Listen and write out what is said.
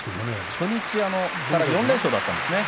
初日から４連勝だったんですがね。